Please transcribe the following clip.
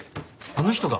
あの人が？